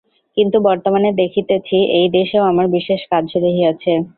কিন্তু বর্তমানে দেখিতেছি, এই দেশেও আমার বিশেষ কাজ রহিয়াছে।